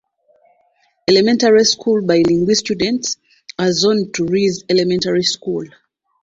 Elementary school bilingual students are zoned to Rees Elementary School.